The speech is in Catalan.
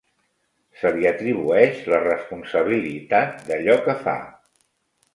Se li atribueix la responsabilitat d'allò que fa.